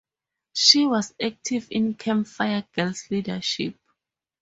She was active in Camp Fire Girls leadership.